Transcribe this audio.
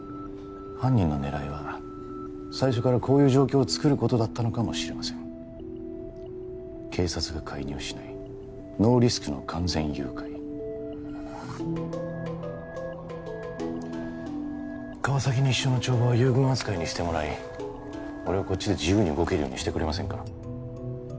犯人の狙いは最初からこういう状況をつくることだったのかもしれません警察が介入しないノーリスクの完全誘拐川崎西署の帳場は遊軍扱いにしてもらい俺をこっちで自由に動けるようにしてくれませんか？